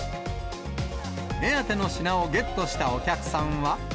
目当ての品をゲットしたお客さんは。